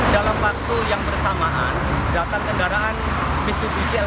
dalam waktu yang bersamaan datang kendaraan pcpc l tiga ratus